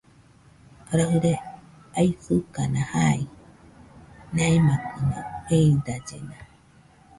Raɨre aisɨkana jai, naimakɨna eidallena.